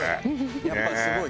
やっぱりすごい。